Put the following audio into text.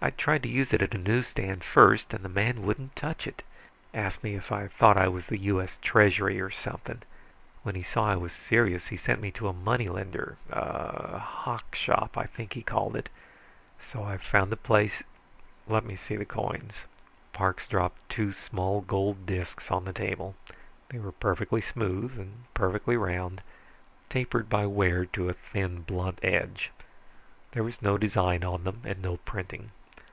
I tried to use it at a newsstand first, and the man wouldn't touch it. Asked me if I thought I was the U.S. Treasury or something. When he saw that I was serious, he sent me to a money lender, a hock shop, I think he called it. So I found a place " "Let me see the coins." Parks dropped two small gold discs on the table. They were perfectly smooth and perfectly round, tapered by wear to a thin blunt edge. There was no design on them, and no printing.